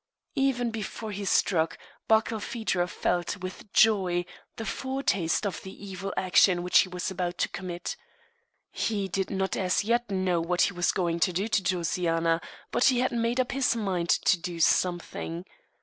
Even before he struck, Barkilphedro felt, with joy, the foretaste of the evil action which he was about to commit. He did not as yet know what he was going to do to Josiana; but he had made up his mind to do something.